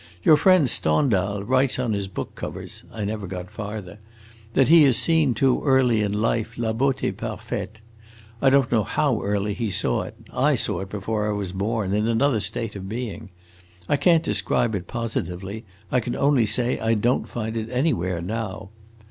Your friend Stendhal writes on his book covers (I never got farther) that he has seen too early in life la beaute parfaite. I don't know how early he saw it; I saw it before I was born in another state of being! I can't describe it positively; I can only say I don't find it anywhere now.